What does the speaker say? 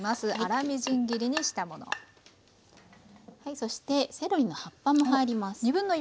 そしてセロリの葉っぱも入ります。